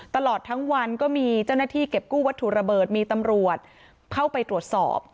ตลอดทั้งวันก็มีเจ้าหน้าที่เก็บกู้วัตถุระเบิดมีตำรวจเข้าไปตรวจสอบ